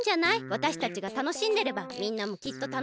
わたしたちがたのしんでればみんなもきっとたのしいよ。